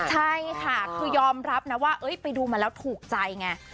ใช่ค่ะคือยอมรับนะว่าไปดูมาแล้วถูกใจไง